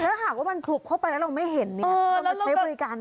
ถ้าหากว่ามันผลุบเข้าไปแล้วเราไม่เห็นเรามาใช้บริการ